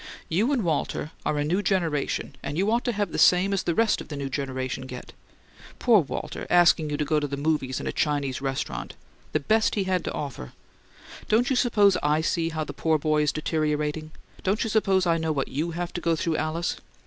"You and Walter are a new generation and you ought to have the same as the rest of the new generation get. Poor Walter asking you to go to the movies and a Chinese restaurant: the best he had to offer! Don't you suppose I see how the poor boy is deteriorating? Don't you suppose I know what YOU have to go through, Alice?